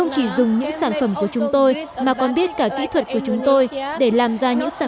chỉ dùng những sản phẩm của chúng tôi mà còn biết cả kỹ thuật của chúng tôi để làm ra những sản